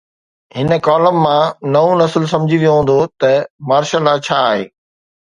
هن ڪالم مان نئون نسل سمجهي ويو هوندو ته مارشل لا ڇا آهي.